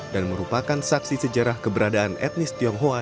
dan merupakan saksi sejarah keberadaan etnis tionghoa